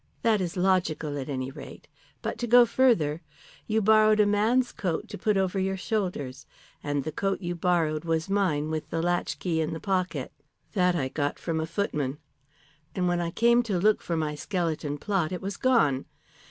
"That is logical, at any rate. But to go further. You borrowed a man's coat to put over your shoulders. And the coat you borrowed was mine with the latchkey in the pocket. That I got from a footman. And when I came to look for my skeleton plot, it was gone.